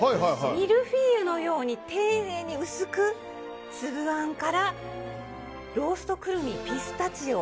ミルフィーユのように丁寧に薄く粒あんからローストクルミ、ピスタチオ。